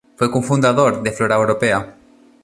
Fue cofundador de Flora Europaea.